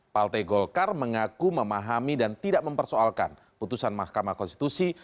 partai golkar mengaku memahami dan tidak mempersoalkan putusan mahkamah konstitusi